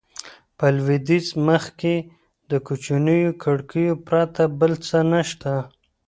په لوېدیځ مخ کې د کوچنیو کړکیو پرته بل څه نه شته.